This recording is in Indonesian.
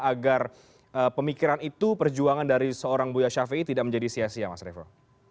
agar pemikiran itu perjuangan dari seorang buya shafi'i tidak menjadi sia sia mas revo